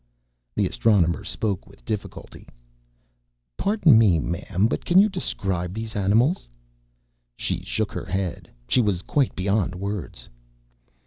The Astronomer spoke with difficulty. "Pardon me, ma'am, but can you describe these animals?" She shook her head. She was quite beyond words.